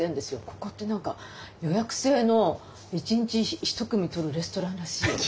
「ここって何か予約制の１日１組取るレストランらしいよ」とか。